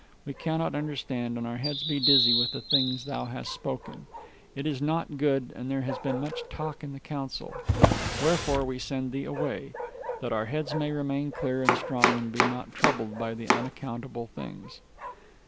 We cannot understand, and our heads be dizzy with the things thou hast spoken. It is not good, and there has been much talk in the council. Wherefore we send thee away, that our heads may remain clear and strong and be not troubled by the unaccountable things."